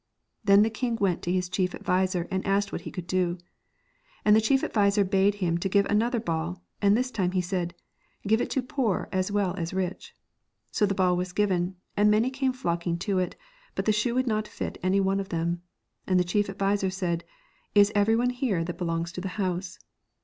Then the king went to his chief adviser and asked what could he do. And the chief adviser bade him to give another ball, and this time he said, ' Give it to poor as well as rich.' So the ball was given, and many came flocking to it, but the shoe would not fit any one of them. And the chief adviser said, ' Is every one here that belongs to the house